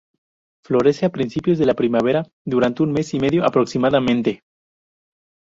Florece a principios de la primavera, durante un mes y medio aproximadamente.